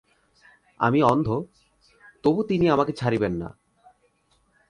আমি অন্ধ, তবু তিনি আমাকে ছাড়িবেন না।